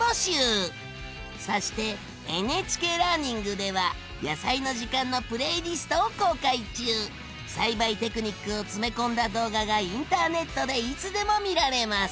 そしてＮＨＫラーニングでは「やさいの時間」のプレイリストを公開中！栽培テクニックを詰め込んだ動画がインターネットでいつでも見られます！